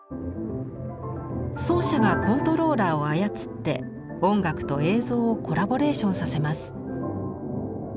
奏者がコントローラーを操って音楽と映像をコラボレーションさせます。